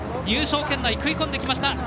入賞圏内食い込んできました。